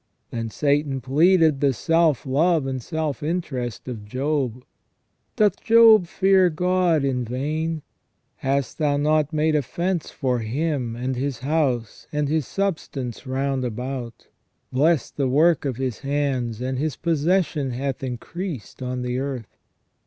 Then Satan pleaded the self love and self interest of Job. " Doth Job fear God in vain ? Hast Thou not made a fence for him, and his house, and his substance round about, blessed the work of his hands, and his possession hath increased on the earth